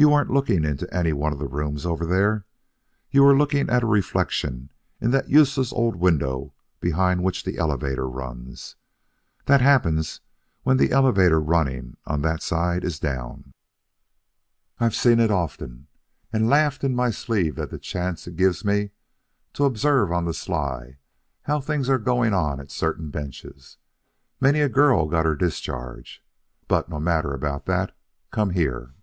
You weren't looking into any one of the rooms over there. You were looking at a reflection in that useless old window behind which the elevator runs. That happens when the elevator running on that side is down. I've seen it often and laughed in my sleeve at the chance it gives me to observe on the sly how things are going on at certain benches. Many a girl has got her discharge But no matter about that. Come here.